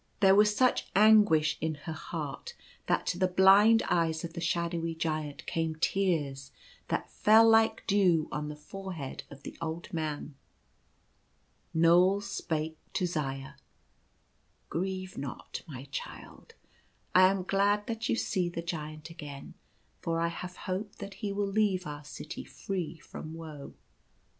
There was such anguish in her heart that to the blind eyes of the shadowy Giant came tears that fell like dew on the forehead of the old man. Knoal spake to Zaya :" Grieve not, my child. I am glad that you see the Giant again, for I have hope that he will leave our city free from woe.